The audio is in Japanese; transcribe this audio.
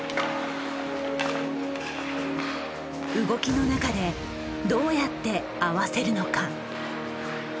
動きの中でどうやって合わせるのか。